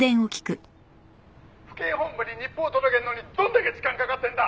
「府警本部に日報届けんのにどんだけ時間かかってんだ！